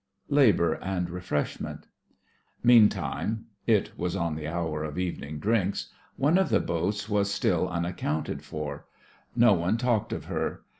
LABOUR AND REFRESHMENT Meantime (it was on the hour of evening drinks) one of the boats was THE FRINGES OF THE FLEET 43 still unaccounted for. No one talked of her.